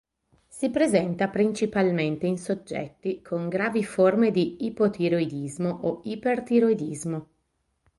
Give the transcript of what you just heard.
Si presenta principalmente in soggetti con gravi forme di ipotiroidismo o ipertiroidismo.